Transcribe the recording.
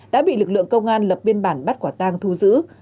đã bị lực lượng công an lập biên bản bắt quả tang thu giữ